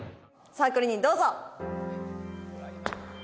サークルにどうぞ！